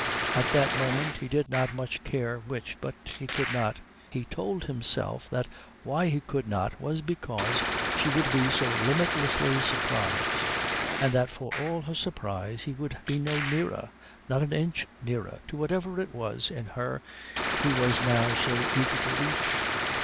At that moment he did not much care which. But he could not. He told himself that why he could not was because she would be so limitlessly surprised, and that for all her surprise he would be no nearer, not an inch nearer to whatever it was in her he was now so eager to reach.